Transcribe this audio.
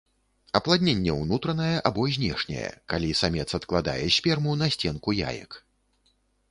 Апладненне ўнутранае або знешняе, калі самец адкладае сперму на сценку яек.